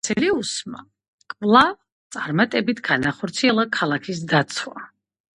მარცელიუსმა კვლავ წარმატებით განახორციელა ქალაქის დაცვა.